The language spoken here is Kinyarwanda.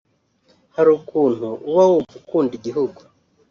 Hari ukuntu uba wumva ukunda igihugu